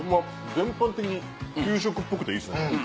全般的に給食っぽくていいですね。